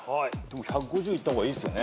１５０いった方がいいっすよね？